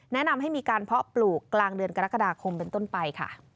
แนะนำให้มีการเพาะปลูกกลางเดือนกรกฎาคมเป็นต้นไปค่ะ